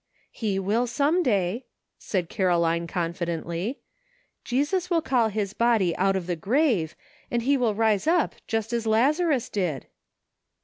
"He will some day," said Caroline confi dently; "Jesus will call his body out of the grave, and he will rise up just as Lazarus did."